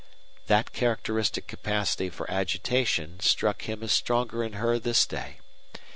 That characteristic capacity for agitation struck him as stronger in her this day.